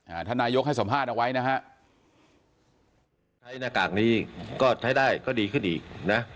ท่านนายกให้สัมภาษณ์เอาไว้นะฮะใช้หน้ากากนี้ก็ใช้ได้ก็ดีขึ้นอีกนะ